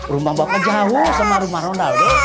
rumah bapak jauh sama rumah ronaldo